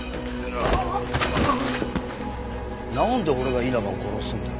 なんで俺が稲葉を殺すんだ。